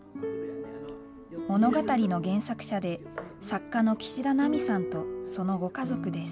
物語の原作者で作家の岸田奈美さんとそのご家族です。